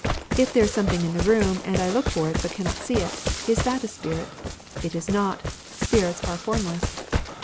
If there is something in the room, and I look for it but cannot see it, r is that a spirit ? It is not ; spirits are formless.